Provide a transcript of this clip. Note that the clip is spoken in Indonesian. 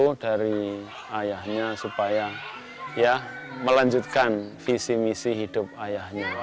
saya ingin meminta maaf dari ayahnya supaya melanjutkan visi misi hidup ayahnya